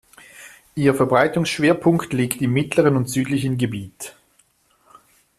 Ihr Verbreitungsschwerpunkt liegt im mittleren und südlichen Gebiet.